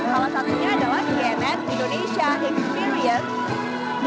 salah satunya adalah cnn indonesia experience